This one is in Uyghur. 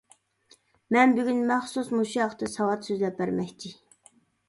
مەن بۈگۈن مەخسۇس مۇشۇ ھەقتە ساۋات سۆزلەپ بەرمەكچى.